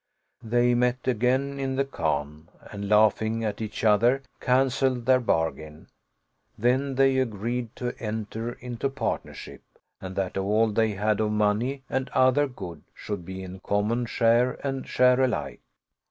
They met again in the khan and laughing at each other canceled their bargain; then they agreed to enter into partnershijp and that all they had of money and other good should be in common, share and share alike.